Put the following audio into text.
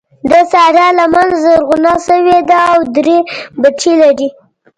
د سارا لمن زرغونه شوې ده او درې بچي لري.